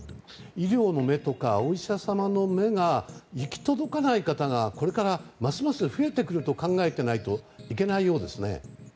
医療の目とかお医者様の目が行き届かない方がこれから、ますます増えてくると考えていないといけないようですね。